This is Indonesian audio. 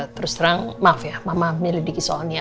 terus terang maaf ya mama milih diki soal nia